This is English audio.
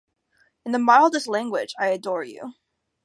In the mildest language, I adore you.